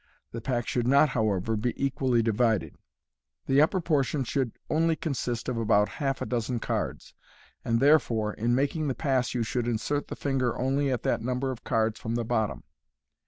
The pack should not, however, be equally divided. The upper portion should only consist of about half a dozen cards, and therefore in making the pass you should insert the finger only at that number of cards from the bottom.